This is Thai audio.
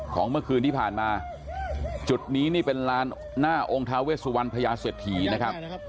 ของเมื่อคืนที่ผ่านมาจุดนี้นี่เป็นลานหน้าองค์ทาเวสุวรรณพญาเศรษฐีนะครับ